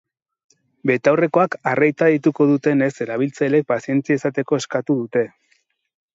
Betaurrekoak arreta deituko dutenez erabiltzaileek pazientzia izateko eskatu dute.